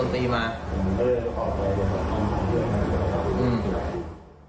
ลุงโภบอกว่าพันธุ์ตีมา